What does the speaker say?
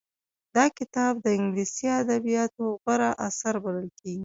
دا کتاب د انګليسي ادبياتو غوره اثر بلل کېږي.